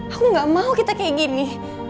aku gak mau kita kayak gini